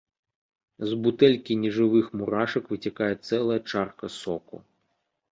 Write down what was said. З бутэлькі нежывых мурашак выцякае цэлая чарка соку.